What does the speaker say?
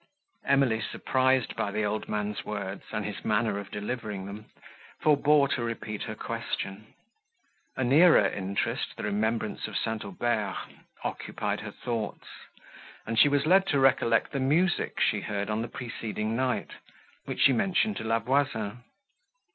—Emily, surprised by the old man's words, and his manner of delivering them, forbore to repeat her question; a nearer interest, the remembrance of St. Aubert, occupied her thoughts, and she was led to recollect the music she heard on the preceding night, which she mentioned to La Voisin.